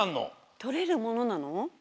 とれるものなの？